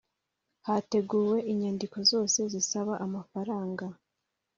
Hateguwe inyandiko zose zisaba amafaranga